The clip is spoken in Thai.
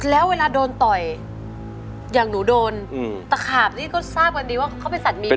แล้วเวลาโดนต่อยอย่างหนูโดนตะขาบนี่ก็ทราบกันดีว่าเขาเป็นสัตว์มี